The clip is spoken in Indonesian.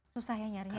susah ya nyarinya ya